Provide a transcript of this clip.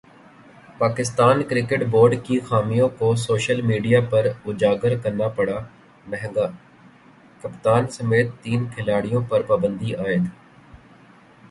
Pakistan cricket board کی خامیوں کو سوشل میڈیا پر اجاگر کرنا پڑا مہنگا ، کپتان سمیت تین کھلاڑیوں پر پابندی عائد